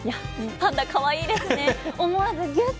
パンダ、かわいいですね。